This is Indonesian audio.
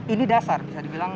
ini dasar bisa dibilang